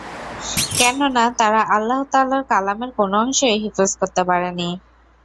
কেননা, তারা আল্লাহ তাআলার কালামের কোন অংশই হিফজ করতে পারেনি।